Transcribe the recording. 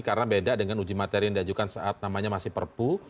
karena beda dengan uji materi yang diajukan saat namanya masih perpu